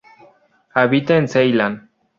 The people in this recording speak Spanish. Habita en Ceilán.